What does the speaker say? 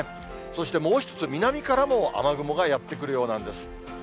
そしてもう１つ、南からも雨雲がやって来るようなんです。